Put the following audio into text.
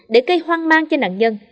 để cây hoang mang cho nạn nhân